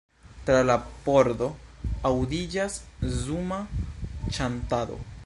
Tra la pordo aŭdiĝas zuma ĉantado.